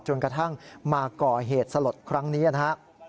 จนกระทั่งมาก่อเหตุสลดครั้งนี้นะครับ